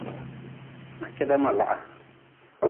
Ma keda ma laha.